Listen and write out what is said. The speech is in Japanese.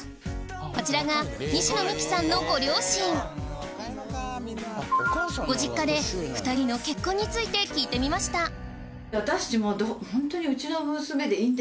こちらが西野未姫さんのご両親ご実家で２人の結婚について聞いてみましたそう。